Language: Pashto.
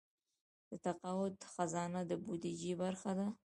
د تقاعد خزانه د بودیجې برخه ده